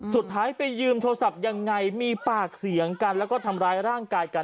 สุดท้ายไปยืมโทรศัพท์ยังไงมีปากเสียงกันแล้วก็ทำร้ายร่างกายกัน